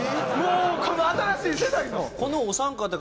この新しい世代の。